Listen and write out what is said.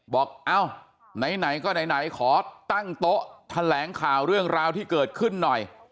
เอ้าไหนก็ไหนขอตั้งโต๊ะแถลงข่าวเรื่องราวที่เกิดขึ้นหน่อย